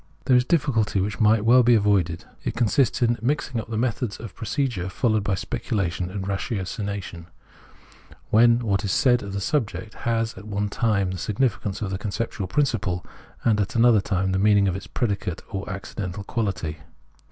There is a difficulty which might well be avoided. It consists in mixing up the methods of procedure followed by speculation and ratiocination, when what is said of the subject has at one time the significance of its conceptual principle, and at another time the meaning of its predicate or accidental quality.